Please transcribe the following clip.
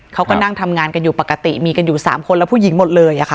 เขาก็นั่งทำงานกันอยู่ปกติมีจริงอยู่๓คนผู้หญิงหมดเลย